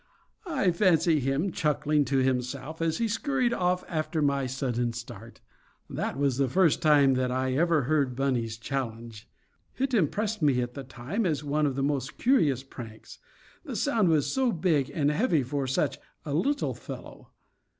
I fancy him chuckling to himself as he scurried off after my sudden start. That was the first time that I ever heard Bunny's challenge. It impressed me at the time as one of his most curious pranks; the sound was so big and heavy for such a little fellow.